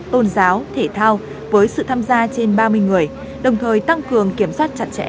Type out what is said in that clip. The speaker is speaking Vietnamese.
tôn giáo thể thao với sự tham gia trên ba mươi người đồng thời tăng cường kiểm soát chặt chẽ